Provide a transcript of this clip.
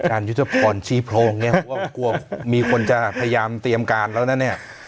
ยุทธพรชี้โพรงเนี่ยว่ากลัวมีคนจะพยายามเตรียมการแล้วนะเนี่ย